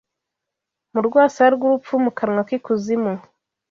Mu rwasaya rw'urupfu, mu kanwa k'Ikuzimu